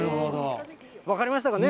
分かりましたかね？